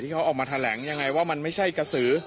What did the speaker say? ที่เขาเอามาทะลังอย่างไรว่ามันไม่ใช่กระสือ